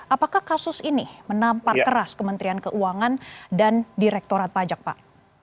apakah kasus ini menampar keras kementerian keuangan dan direktorat pajak pak